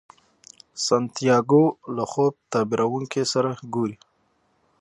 سانتیاګو له خوب تعبیرونکي سره ګوري.